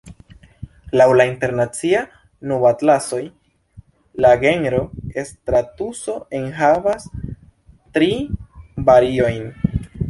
Laŭ la Internacia Nubatlaso, la genro stratuso enhavas tri variojn.